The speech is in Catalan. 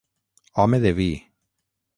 Home de vi.